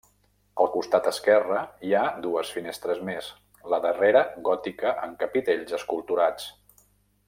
Al costat esquerre hi ha dues finestres més, la darrera gòtica amb capitells esculturats.